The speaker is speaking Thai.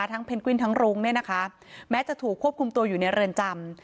เพนกวินทั้งรุ้งเนี่ยนะคะแม้จะถูกควบคุมตัวอยู่ในเรือนจำ